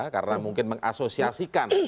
karena mungkin mengasosiasikan